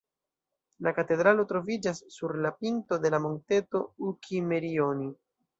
La katedralo troviĝas sur la pinto de la monteto Uk’imerioni.